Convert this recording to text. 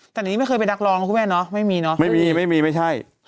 แต่นี้ไม่เคยเป็นนักร้องนะคุณแม่เนาะไม่มีเนอะไม่มีไม่มีไม่ใช่